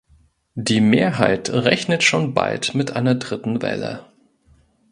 Die Mehrheit rechnet schon bald mit einer dritten Welle.